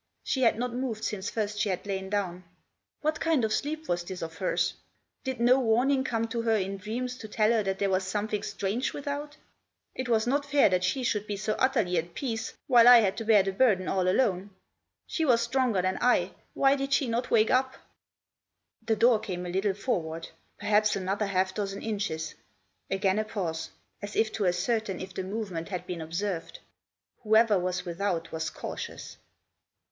She had not moved since first she had lain down. What kind of sleep was this of hers ? Did no warning come to her in dreams to tell her that there was something strange without ? It was not fair that she should be Digitized by U8 THE JOSS. so utterly at peace, while I had to bear the burden all alone. She was stronger than I. Why did she not wake up ? The door came a little forward ; perhaps another half dozen inches. Again a pause ; as if to ascertain if the movement had been observed. Whoever was without was cautious.